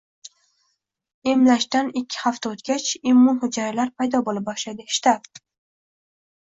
Emlashdanikkihafta o‘tgach, immun hujayralar paydo bo‘la boshlaydi – shtab